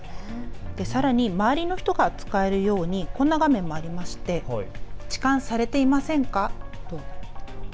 さらに周りの人が使えるようにこんな画面もありましてちかんされていませんか？